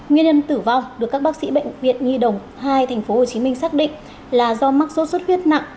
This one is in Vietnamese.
nguyên nhân tử vong được các bác sĩ bệnh viện nhi đồng hai tp hcm xác định là do mắc sốt xuất huyết nặng